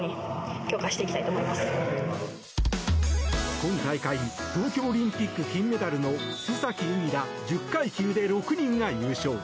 今大会、東京オリンピック金メダルの須崎優衣ら１０階級で６人が優勝。